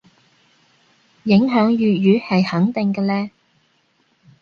影響粵語係肯定嘅嘞